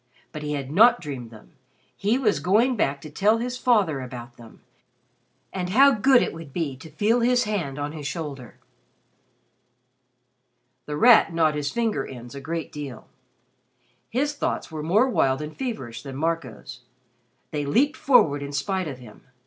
But he had not dreamed them; he was going back to tell his father about them. And how good it would be to feel his hand on his shoulder! The Rat gnawed his finger ends a great deal. His thoughts were more wild and feverish than Marco's. They leaped forward in spite of him.